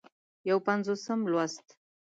یو پينځوسم لوست